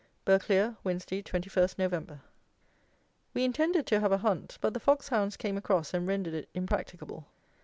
Burghclere, Wednesday, 21 Nov. We intended to have a hunt; but the foxhounds came across and rendered it impracticable.